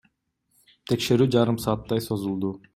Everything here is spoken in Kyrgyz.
Текшерүү жарым сааттай созулду.